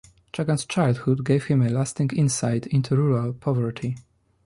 Jagan's childhood gave him a lasting insight into rural poverty.